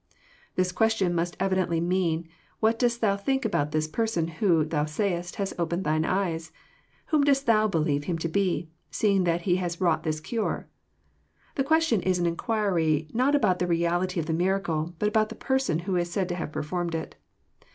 ] This question must evi dently mean, " What dost thou think about this Person, who, ^thou sayest, has opened thine eyes? Whom dost thou believe * Him to be, seeing that He has wrought this cure ?" The qnes tion Is an inquiry, not about the reality of the miracle, but about the Person who is said to have performed it.